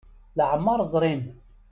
Leɛmer ẓrin.